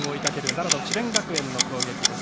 奈良の智弁学園の攻撃です。